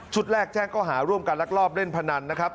ชุดแรกแจ้งข้อหาร่วมการรักรอบเล่นพนันนะครับ